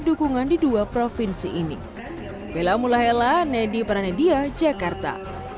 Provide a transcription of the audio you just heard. dukungan di dua provinsi ini bella mulahela nedi pranedia jakarta